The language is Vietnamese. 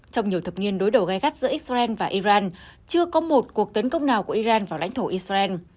trong nhiều thập niên đối đầu gai gắt giữa israel và iran chưa có một cuộc tấn công nào của iran vào lãnh thổ israel